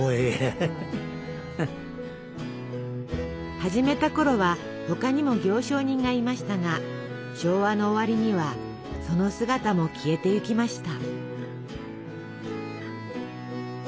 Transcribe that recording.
始めたころは他にも行商人がいましたが昭和の終わりにはその姿も消えていきました。